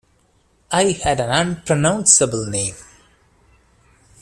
I had an unpronounceable name.